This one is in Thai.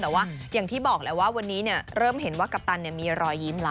แต่ว่าอย่างที่บอกแล้วว่าวันนี้เนี่ยเริ่มเห็นว่ากัปตันเนี่ยมีรอยยืมล่ะ